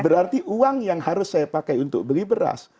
berarti uang yang harus saya pakai untuk beli beras